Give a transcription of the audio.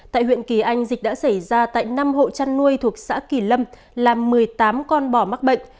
tại huyện kỳ anh dịch đã xảy ra tại năm hộ chăn nuôi thuộc xã kỳ lâm làm một mươi tám con bò mắc bệnh